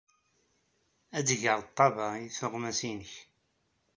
Ad d-geɣ ḍḍabeɛ i tuɣmas-nnek.